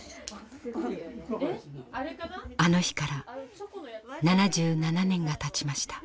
あの日から７７年がたちました。